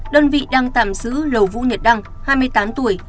đơn vị đang tạm giữ lầu vũ nhật đăng hai mươi tám tuổi